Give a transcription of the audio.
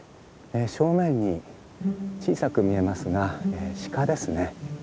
正面に小さく見えますがシカですね。